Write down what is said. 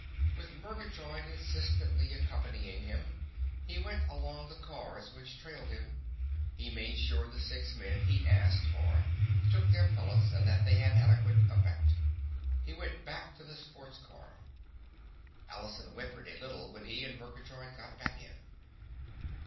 With Murgatroyd insistently accompanying him, he went along the cars which trailed him. He made sure the six men he'd asked for took their pellets and that they had an adequate effect. He went back to the sports car. Allison whimpered a little when he and Murgatroyd got back in.